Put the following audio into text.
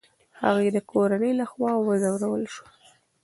هغې د کورنۍ له خوا وځورول شوه.